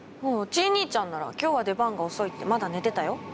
チイ兄ちゃんなら今日は出番が遅いってまだ寝てたよ。